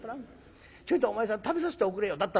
『ちょいとお前さん食べさせておくれよ』。